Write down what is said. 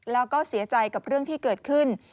แล้วก็เสียใจกับเรื่องที่เกิดขึ้น